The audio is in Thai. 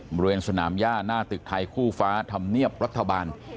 บริเวณสนามย่าหน้าตึกไทยคู่ฟ้าทำเนี่ยปฏิบัติรัฐบาล